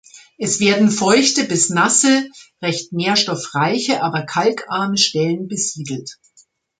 Es werden feuchte bis nasse, recht nährstoffreiche aber kalkarme Stellen besiedelt.